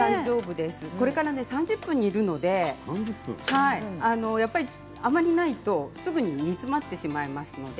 これから３０分煮るのであまりないとすぐに煮詰まってしまいますので。